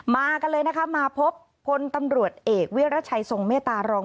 มากันเลยพนตำรวจเอกวิรัฐชัยทรงเมตารอง